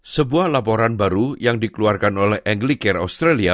sebuah laporan baru yang dikeluarkan oleh englicare australia